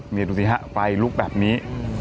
นี่ดูสิฮะไฟลุกแบบนี้